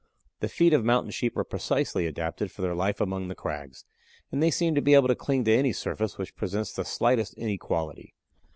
The feet of Mountain Sheep are precisely adapted for their life among the crags, and they seem to be able to cling to any surface which presents the slightest inequality.